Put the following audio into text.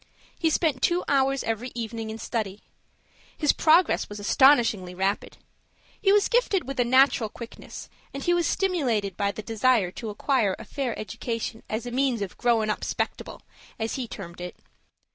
He spent two hours every evening in study. His progress was astonishingly rapid. He was gifted with a natural quickness; and he was stimulated by the desire to acquire a fair education as a means of "growin' up 'spectable," as he termed it.